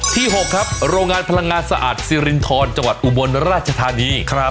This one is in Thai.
๖ครับโรงงานพลังงานสะอาดซิรินทรจังหวัดอุบลราชธานี